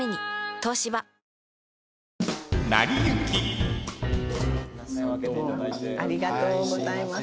東芝ありがとうございます。